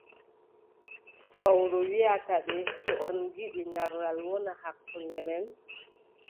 Fowru wiʼata ɓe: to en ngiɗi narral wona hakkunde men,